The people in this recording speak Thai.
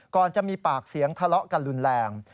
ก่อนจะมีปากเสียงทะเลาะกันรุนแรง